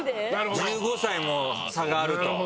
１５歳も差があると。